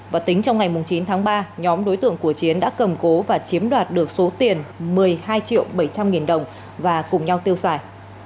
và tính trong ngày chín tháng ba nhóm đối tượng của chiến đã cầm cố và chiếm đoạt được số tiền một mươi hai triệu bảy trăm linh nghìn đồng và cùng nhau tiêu xài